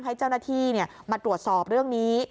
ให้เจ้าหน้าที่มาตรวจสอบเรื่องนี้